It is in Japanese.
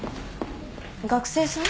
学生さん？